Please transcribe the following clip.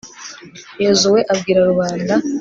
yozuwe abwira rubanda